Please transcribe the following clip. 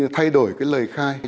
thay đổi cái lời khai